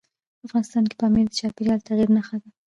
افغانستان کې پامیر د چاپېریال د تغیر نښه ده.